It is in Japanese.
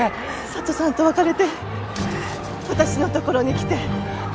佐都さんと別れて私のところに来て。